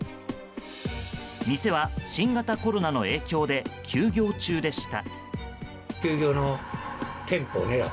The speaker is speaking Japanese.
店は新型コロナの影響で休業中でした。